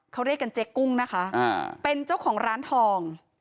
เขาเรียกกันเจ๊กุ้งนะคะเป็นเจ้าของร้านทอง